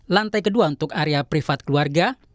lantai kedua untuk area privat keluarga